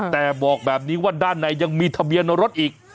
แต่บอกแบบนี้ว่าด้านในยังมีทะเบียนรถอีก